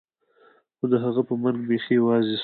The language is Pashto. خو د هغه په مرګ بيخي يوازې سوم.